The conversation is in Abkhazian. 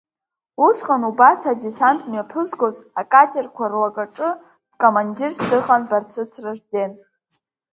Усҟан убарҭ адесант мҩаԥызгоз акатерқәа руакаҿы командирс дыҟан Барцыц Ражден.